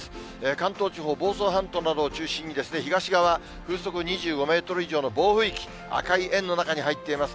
関東地方、房総半島などを中心に、東側、風速２５メートル以上の暴風域、赤い円の中に入っています。